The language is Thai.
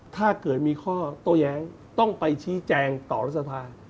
ถ้าเกิดมีข้อโต้แย้งต้องไปชี้แจงต่อรัฐสภา